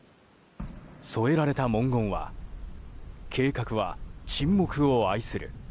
添えられた文言は計画は沈黙を愛する。